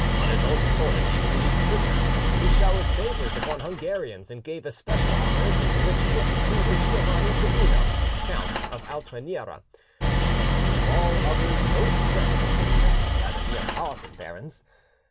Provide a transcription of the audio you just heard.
On his own authority he released prisoners; he showered favours upon Hungarians, and gave especial honours and rich gifts to Giovanni Pipino, Count of Altanuera, the enemy of all others most dreaded and detested by the Neapolitan barons.